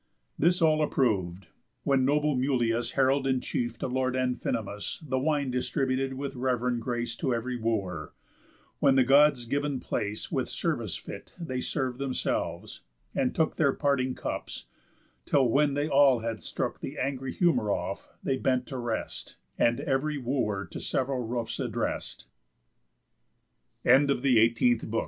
This all approv'd; when noble Mulius, Herald in chief to lord Amphinomus, The wine distributed with rev'rend grace To ev'ry Wooer; when the Gods giv'n place; With service fit; they serv'd themselves, and took Their parting cups, till, when they all had shook The angry humour off, they bent to rest, And ev'ry Wooer to sev'ral roofs addrest. THE END OF THE EIGHTEE